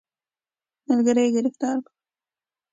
ملګري یې ګرفتار کړ.